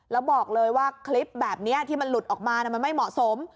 แล้วบอกเลยว่าคลิปแบบนี้ที่มันหลุดออกมามันไม่เหมาะสม